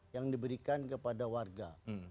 yang diberikan kepada warga